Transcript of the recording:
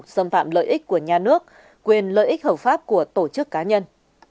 xâm phạm lợi ích của nhà nước quyền lợi ích hợp pháp của tổ chức cá nhân